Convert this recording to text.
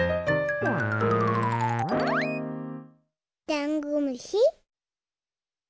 ダンゴムシ！